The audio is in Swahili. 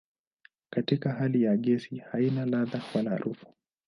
Katika hali ya gesi haina ladha wala harufu.